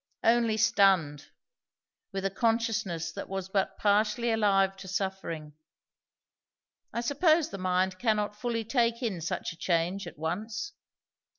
Only stunned; with a consciousness that was but partially alive to suffering. I suppose the mind cannot fully take in such a change at once.